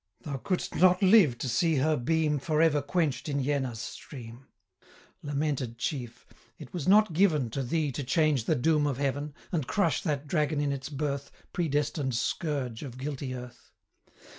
Thou couldst not live to see her beam 55 For ever quench'd in Jena's stream. Lamented Chief! it was not given To thee to change the doom of Heaven, And crush that dragon in its birth, Predestined scourge of guilty earth.